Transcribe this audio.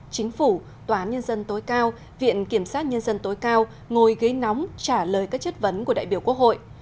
chính phủ tòa án nhân dân tối cao viện kiểm sát nhân dân tối cao ngồi ghế nóng trả lời các chất vấn của đại biểu quốc hội